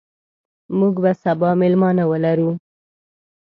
موږ به سبا میلمانه ولرو.